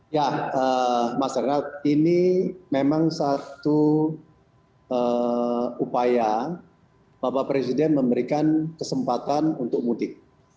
ya mas renat ini memang satu upaya bapak presiden memberikan kesempatan untuk mudik